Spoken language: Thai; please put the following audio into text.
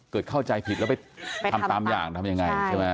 เกิดเข้าใจผิดแล้วไปทำตามอย่างทำยังไง